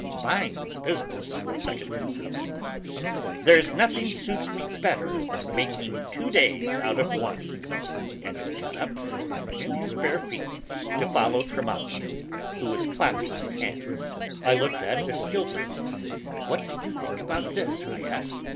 "Fine business," seconded Habinnas, "there's nothing suits me better than making two days out of one," and he got up in his bare feet to follow Trimalchio, who was clapping his hands. I looked at Ascyltos. "What do you think about this?" I asked.